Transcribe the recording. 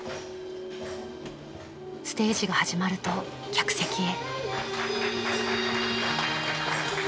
［ステージが始まると客席へ］